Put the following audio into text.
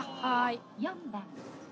４番。